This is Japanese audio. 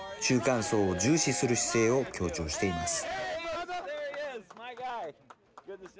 中間層を重視する姿勢を強調しています。